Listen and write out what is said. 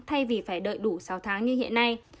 thay vì phải đợi đủ sáu tháng như hiện nay